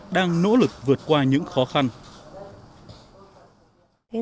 đang nỗ lực vượt qua những khó khăn